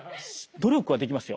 努力はできますよ。